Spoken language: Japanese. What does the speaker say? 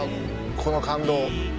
この感動。